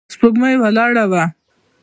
سپوږمۍ ولاړه وه.